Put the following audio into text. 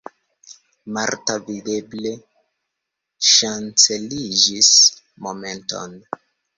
Marta videble ŝanceliĝis momenton.